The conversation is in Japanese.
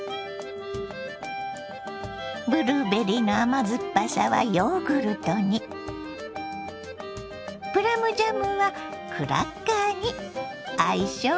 ブルーベリーの甘酸っぱさはヨーグルトにプラムジャムはクラッカーに相性バツグン！